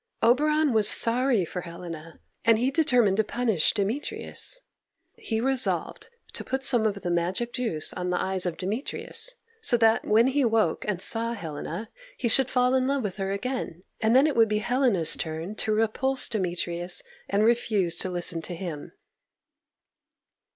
Oberon was sorry for Helena, and he determined to punish Demetrius. He resolved to put some of the magic juice on the eyes of Demetrius, so that when he woke and saw Helena he should fall in love with her again, and then it would be Helena's turn to repulse Demetrius and refuse to listen to him.